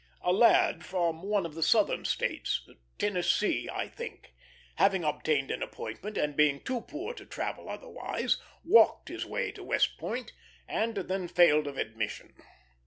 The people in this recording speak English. A lad from one of the Southern States, Tennessee, I think, having obtained an appointment, and being too poor to travel otherwise, walked his way to West Point, and then failed of admission.